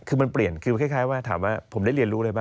คือมันเปลี่ยนคือคล้ายว่าถามว่าผมได้เรียนรู้อะไรป